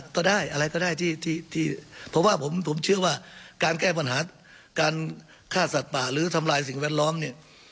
ก็ได้อะไรก็ได้ที่เพราะว่าผมเชื่อว่าการแก้ปัญหาการฆ่าสัตว์ป่าหรือทำลายสิ่งแวดล้อมเนี่ย